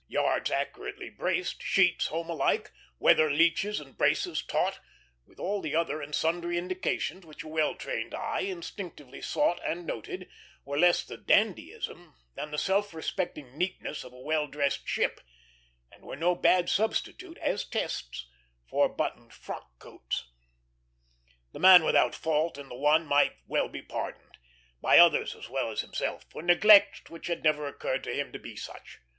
Yards accurately braced, sheets home alike, weather leaches and braces taut, with all the other and sundry indications which a well trained eye instinctively sought and noted, were less the dandyism than the self respecting neatness of a well dressed ship, and were no bad substitute, as tests, for buttoned frock coats. The man without fault in the one might well be pardoned, by others as well as himself, for neglects which had never occurred to him to be such.